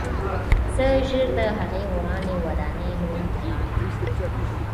زه ژر د هغې ورانې ودانۍ لور ته لاړم